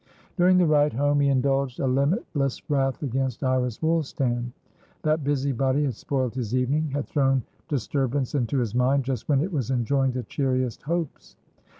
During the ride home, he indulged a limitless wrath against Iris Woolstan. That busybody had spoilt his evening, had thrown disturbance into his mind just when it was enjoying the cheeriest hopes.